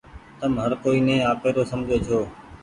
تم هر ڪوئي ني آپيرو سمجهو ڇو۔